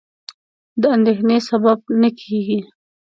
د اندېښنې سبب نه کېږي.